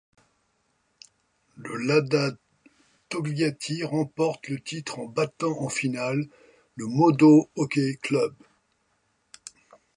Le Lada Togliatti remporte le titre en battant en finale le MoDo Hockeyklubb.